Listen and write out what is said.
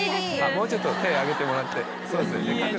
もうちょっと手上げてもらって。